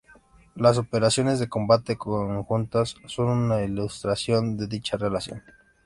Las operaciones de combate conjuntas son una ilustración de dicha relación.